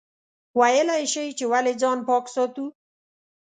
ویلای شئ چې ولې ځان پاک ساتو؟